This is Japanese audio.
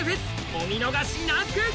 お見逃しなく！